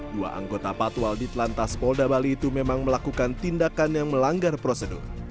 dua anggota patwal di telantas polda bali itu memang melakukan tindakan yang melanggar prosedur